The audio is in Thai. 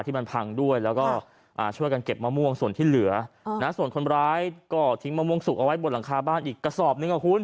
ที่มันพังด้วยแล้วก็ช่วยกันเก็บมะม่วงส่วนที่เหลือส่วนคนร้ายก็ทิ้งมะม่วงสุกเอาไว้บนหลังคาบ้านอีกกระสอบหนึ่งอ่ะคุณ